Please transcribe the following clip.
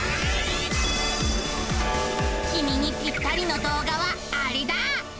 きみにぴったりの動画はアレだ！